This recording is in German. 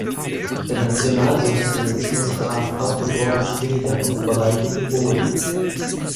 Der Nationalsozialismus traf auch in Worpswede auf bereiteten Boden.